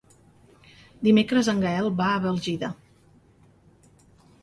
Dimecres en Gaël va a Bèlgida.